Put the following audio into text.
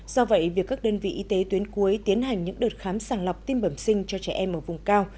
do vậy việc các đơn vị y tế tuyến cuối tiến hành những đợt khám sàng lọc tim bẩm sinh cho trẻ em ở vùng cao